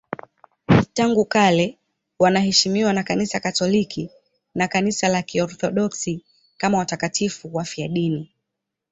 Tangu kale wanaheshimiwa na Kanisa Katoliki na Kanisa la Kiorthodoksi kama watakatifu wafiadini.